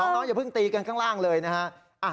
น้องอย่าเพิ่งตีกันข้างล่างเลยนะฮะ